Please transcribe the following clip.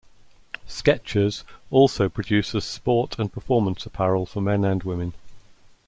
Skechers also produces sport and performance apparel for men and women.